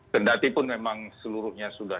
terdati pun memang seluruhnya sudah